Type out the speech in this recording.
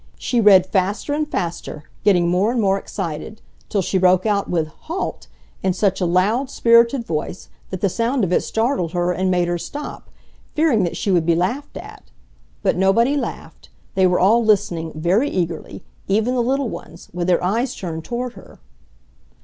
She read faster and faster, getting more and more excited, till she broke out with "Halt!" in such a loud, spirited voice that the sound of it startled her and made her stop, fearing that she would be laughed at. But nobody laughed. They were all listening, very eagerly, even the little ones, with their eyes turned toward her.